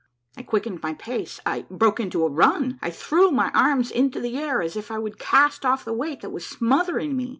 I quickened my pace, I broke into a run, I threw my arms into the air as if I would cast off the weight that was smothering me.